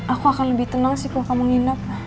aku akan lebih tenang sih kalau kamu nginap